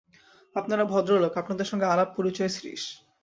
আপনারা ভদ্রলোক, আপনাদের সঙ্গে আলাপ-পরিচয়– শ্রীশ।